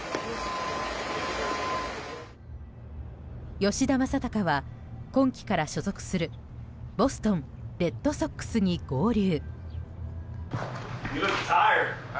吉田正尚は今季から所属するボストン・レッドソックスに合流。